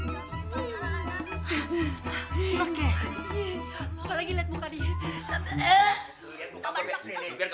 kalau gitu mrd kita ngejauh jarinya disponks magat secretly iawegt